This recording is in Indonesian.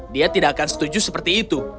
dia tidak akan setuju seperti itu